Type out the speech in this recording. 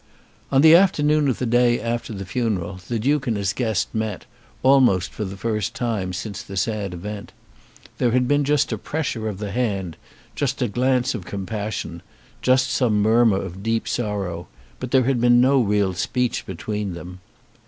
On the afternoon of the day after the funeral the Duke and his guest met, almost for the first time since the sad event. There had been just a pressure of the hand, just a glance of compassion, just some murmur of deep sorrow, but there had been no real speech between them.